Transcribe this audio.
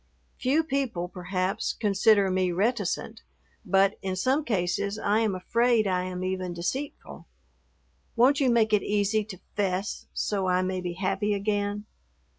Few people, perhaps, consider me reticent, but in some cases I am afraid I am even deceitful. Won't you make it easy to "'fess" so I may be happy again?